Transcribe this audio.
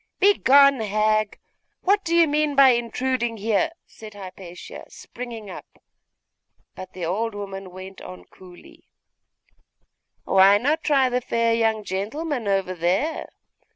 'Begone, hag! What do you mean by intruding here?' said Hypatia, springing up; but the old woman went on coolly 'Why not try the fair young gentleman over there?